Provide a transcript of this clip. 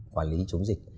quản lý chống dịch